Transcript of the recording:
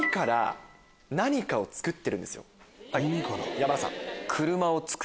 山田さん。